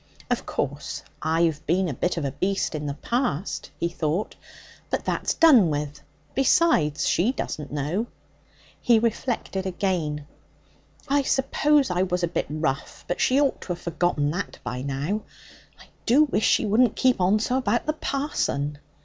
'Of course, I've been a bit of a beast in the past,' he thought. 'But that's done with. Besides, she doesn't know.' He reflected again. 'I suppose I was a bit rough, but she ought to have forgotten that by now. I do wish she wouldn't keep on so about the parson.'